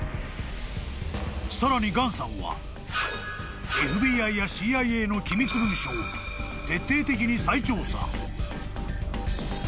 ［さらにガンさんはＦＢＩやＣＩＡの機密文書を徹底的に再調査］